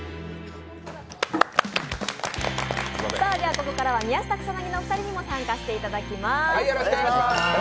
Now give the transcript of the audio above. ここからは宮下草薙のお二人にも参加していただきます。